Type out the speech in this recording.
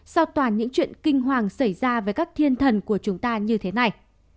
sau toàn những chuyện kinh hoàng xảy ra với các thiên thần của chúng ta như thế này